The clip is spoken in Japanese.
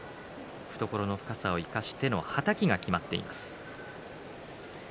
懐の深さを生かしてのはたきがきまっています。